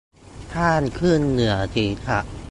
ข้างขึ้นเหนือศีรษะ